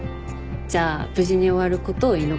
じゃあ無事に終わることを祈ってる。